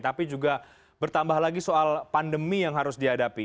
tapi juga bertambah lagi soal pandemi yang harus dihadapi